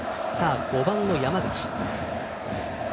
５番の山口。